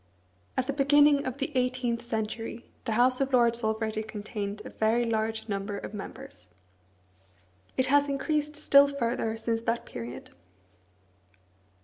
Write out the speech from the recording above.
At the beginning of the eighteenth century the House of Lords already contained a very large number of members. It has increased still further since that period.